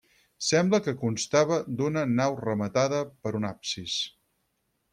Sembla que constava d'una nau rematada per un absis.